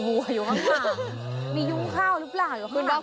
อยู่ข้างหลังมียุ่งข้าวรึเปล่าอยู่ข้างหลังด้วย